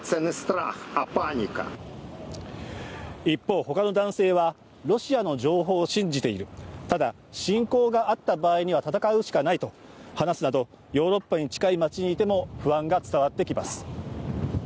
一方、他の男性はロシアの情報を信じている、ただ、侵攻があった場合には戦うしかないと話すなど、ヨーロッパに近い街にいても不安が伝わってきます。